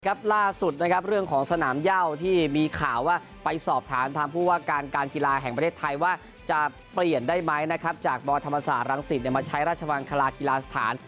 ล่าสุดนะครับเรื่องของสนามเย่าที่มีข่าวว่าไปสอบถามทางผู้ว่าการการกีฬาแห่งประเทศไทยว่าจะเปลี่ยนได้ไหมนะครับจากบธรรมศาสตรังสิตมาใช้ราชมังคลากีฬาสถาน